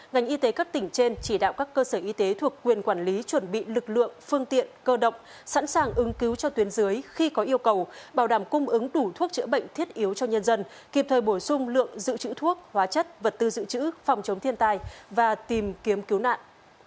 ngành y tế các tỉnh trên chỉ đạo các cơ sở y tế thuộc quyền quản lý chuẩn bị lực lượng phương tiện cơ động sẵn sàng ứng cứu cho tuyến dưới khi có yêu cầu bảo đảm cung ứng đủ thuốc chữa bệnh thiết yếu cho nhân dân kịp thời bổ sung lượng dự trữ thuốc hóa chất vật tư dự trữ phòng chống thiên tai và tìm kiếm cứu nạn